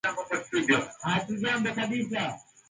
Sudan inashika nafasi ya mia moja hamsini na moja